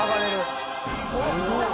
「すごい！」